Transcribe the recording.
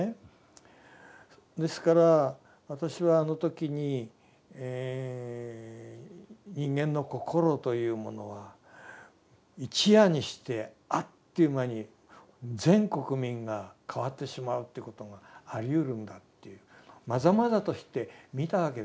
ですから私はあの時に人間のこころというものは一夜にしてあっという間に全国民が変わってしまうということがありうるんだというまざまざとして見たわけですよ